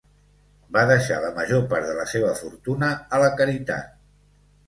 Va deixar la major part de la seva fortuna a la caritat.